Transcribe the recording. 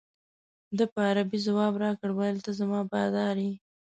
ده په عربي جواب راکړ ویل ته زما بادار یې.